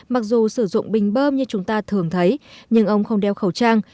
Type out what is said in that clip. mặc dù sử dụng bình bơm như chúng ta thường thấy nhưng ông không đeo khẩu trang